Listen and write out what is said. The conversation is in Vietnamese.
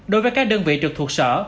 đối với các đơn vị trực thuộc sở